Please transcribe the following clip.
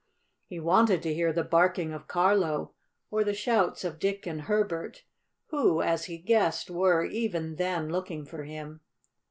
He wanted to hear the barking of Carlo or the shouts of Dick and Herbert, who, as he guessed, were, even then, looking for him.